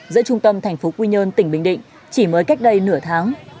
giữa trung tâm thành phố quy nhơn tỉnh bình định chỉ mới cách đây nửa tháng